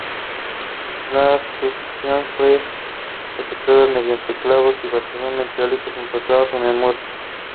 He closed the oil mill.